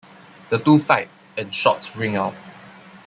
The two fight and shots ring out.